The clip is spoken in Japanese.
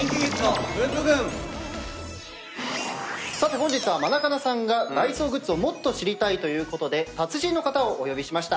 本日はマナカナさんがダイソーグッズをもっと知りたいということで達人の方をお呼びしました。